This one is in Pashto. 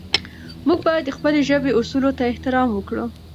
موږ باید د خپلې ژبې اصولو ته احترام وکړو.